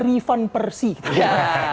rifan persi gitu ya